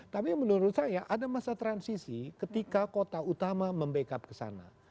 tapi menurut saya ada masa transisi ketika kota utama membackup ke sana